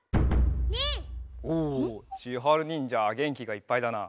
おおちはるにんじゃげんきがいっぱいだな。